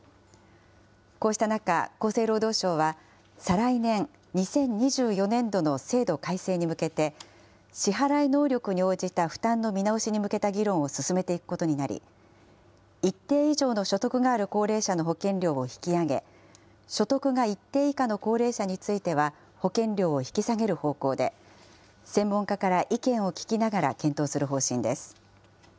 こうした中、厚生労働省は、再来年・２０２４年度の制度改正に向けて、支払い能力に応じた負担の見直しに向けた議論を進めていくことになり、一定以上の所得がある高齢者の保険料を引き上げ、所得が一定以下の高齢者については保険料を引き下げる方向で、専門家から意見を聞きながら検討する方針です。